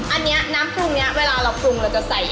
อันนี้น้ำปรุงนี้เวลาเราปรุงเราจะใส่